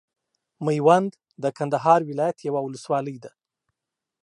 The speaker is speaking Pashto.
ميوند د کندهار ولايت یوه ولسوالۍ ده.